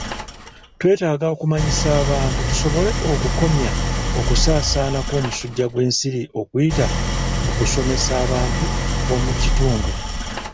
twetaaga okumanyisa abantu tusobole okukomya okusaasaana kw'omusujja gw'ensiri okuyita mu kusomesa abantu b'omu kitundu.